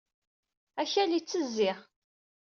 Akal ittezzi.